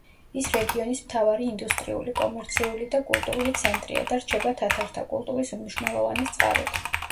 ის რეგიონის მთავარი ინდუსტრიული, კომერციული და კულტურული ცენტრია და რჩება თათართა კულტურის უმნიშვნელოვანეს წყაროდ.